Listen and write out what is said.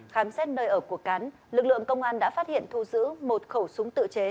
khám xét nơi ở của cán lực lượng công an đã phát hiện thu giữ một khẩu súng